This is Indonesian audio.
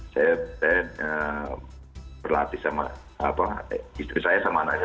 saya berlatih sama istri saya sama anaknya